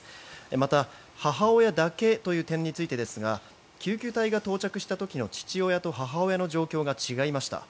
また、母親だけという点についてですが救急隊が到着した時の父親と母親の状況が違いました。